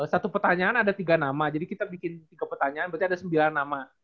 satu pertanyaan ada tiga nama jadi kita bikin tiga pertanyaan berarti ada sembilan nama